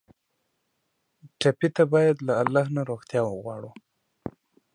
ټپي ته باید له الله نه روغتیا وغواړو.